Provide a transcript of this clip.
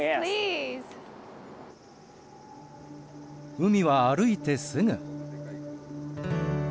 海は歩いてすぐ。